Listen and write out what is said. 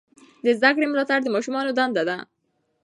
د زده کړې ملاتړ د ماشومانو دنده ده.